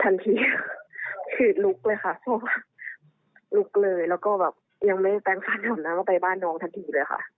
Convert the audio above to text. ทันทีคือลุกเลยค่ะเพราะว่าลุกเลยแล้วก็แบบยังไม่แปลงฟันแถวนั้นก็ไปบ้านน้องทันทีเลยค่ะ